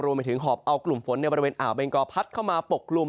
รวมไปถึงหอบเอากลุ่มฝนในบริเวณอ่าวเบงกอพัดเข้ามาปกกลุ่ม